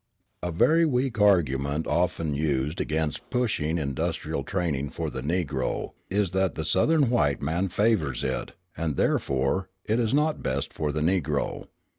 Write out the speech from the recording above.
A very weak argument often used against pushing industrial training for the Negro is that the Southern white man favours it, and, therefore, it is not best for the Negro.